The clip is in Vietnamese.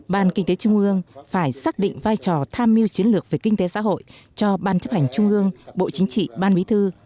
ban kinh tế trung ương phải xác định vai trò tham mưu chiến lược về kinh tế xã hội cho ban chấp hành trung ương bộ chính trị ban bí thư